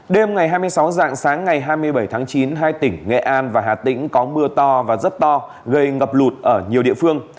đêm ngày hai mươi sáu dạng sáng ngày hai mươi bảy tháng chín hai tỉnh nghệ an và hà tĩnh có mưa to và rất to gây ngập lụt ở nhiều địa phương